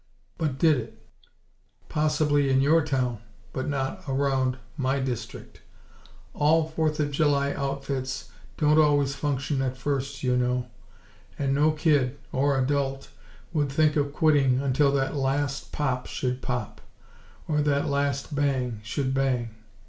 But did it? Possibly in your town, but not around my district! All Fourth of July outfits don't always function at first, you know; and no kid, (or adult!) would think of quitting until that last pop should pop; or that last bang should bang.